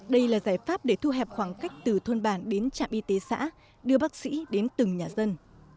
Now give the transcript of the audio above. đây là giải pháp để thu hẹp khoảng cách từ thôn bản đến trạm y tế xã đưa bác sĩ đến từng nhà dân